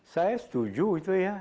saya setuju itu ya